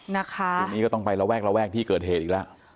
วันนี้ก็ต้องไประแว่กที่เกิดเหตุอีกแล้ว